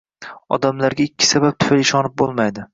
Odamlarga ikki sabab tufayli ishonib bo‘lmaydi: